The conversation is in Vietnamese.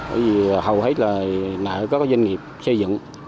bởi vì hầu hết là nợ có doanh nghiệp xây dựng